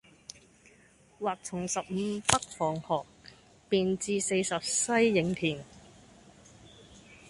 或從十五北防河，便至四十西營田。